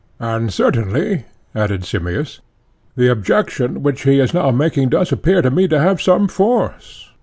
And certainly, added Simmias, the objection which he is now making does appear to me to have some force.